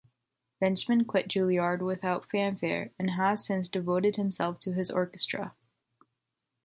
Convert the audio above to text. Benjamin quit Juilliard without fanfare and has since devoted himself to his orchestra.